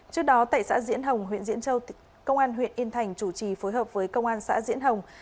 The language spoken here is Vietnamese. trước đó tại xã diễn hồng huyện diễn châu công an huyện yên thành chủ trì phối hợp với công an xã diễn hồng